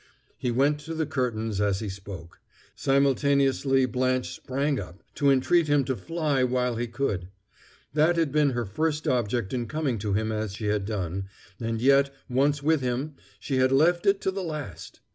He went to the curtains as he spoke. Simultaneously Blanche sprang up, to entreat him to fly while he could. That had been her first object in coming to him as she had done, and yet, once with him, she had left it to the last!